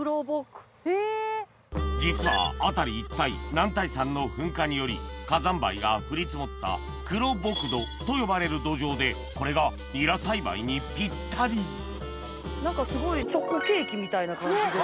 実は辺り一帯男体山の噴火により火山灰が降り積もった黒ボク土と呼ばれる土壌でこれがニラ栽培にぴったり何かすごいチョコケーキみたいな感じで。